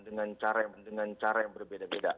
dengan cara yang berbeda beda